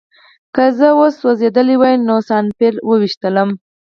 که زه اوس خوځېدلی وای نو سنایپر ویشتلم